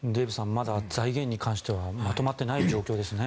まだ財源に関してはまとまっていない状況ですね。